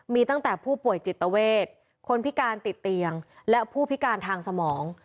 มีตั้งแต่ผู้ป่วยจิตเวทคนพิการติดเตียงและผู้พิการทางสมอง